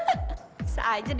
bisa aja deh